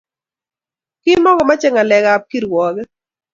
Kimakomachei ngalekab ak kirwoket